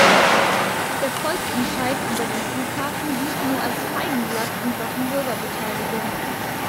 Der Volksentscheid über den Flughafen diente nur als Feigenblatt in Sachen Bürgerbeteiligung.